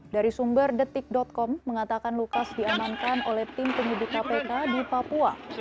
dari sumber detik com mengatakan lukas diamankan oleh tim penyidik kpk di papua